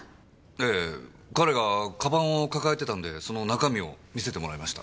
ええ彼が鞄を抱えてたんでその中身を見せてもらいました。